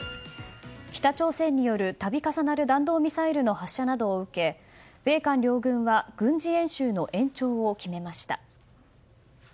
北朝鮮による、度重なる弾道ミサイルの発射などを受け米韓両軍は軍事演習の延長を決めました。